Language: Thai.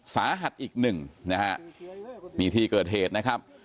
สาหัสอีกหนึ่งนะฮะนี่ที่เกิดเหตุนะครับ